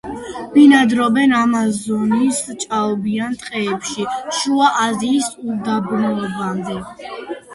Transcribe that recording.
ბინადრობენ ამაზონის ჭაობიანი ტყეებიდან შუა აზიის უდაბნოებამდე.